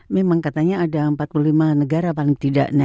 memang katanya ada empat puluh lima negara paling tidak